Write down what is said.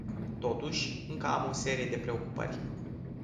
Totuși, încă am o serie de preocupări.